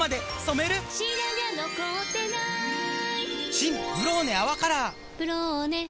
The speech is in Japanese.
新「ブローネ泡カラー」「ブローネ」